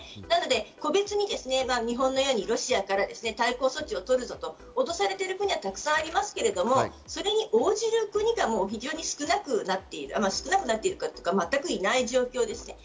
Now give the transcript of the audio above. なので個別に、日本のようにロシアから対抗措置を取るぞと脅されている国はたくさんありますけれども、それに応じる国が非常に少なくなっているというか全くいない状況です。